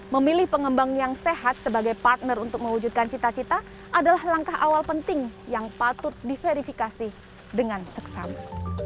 memilih pengembang yang sehat sebagai partner untuk mewujudkan cita cita adalah langkah awal penting yang patut diverifikasi dengan seksama